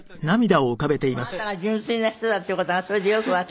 何？